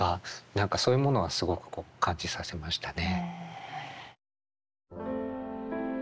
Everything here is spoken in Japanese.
何かそういうものはすごくこう感じさせましたね。